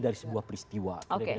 dari sebuah peristiwa